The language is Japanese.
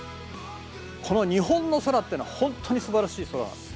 この日本の空っていうのは本当にすばらしい空なんです。